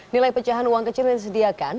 nilai pecahan uang kecil yang disediakan